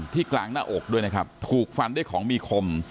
กลางหน้าอกด้วยนะครับถูกฟันด้วยของมีคม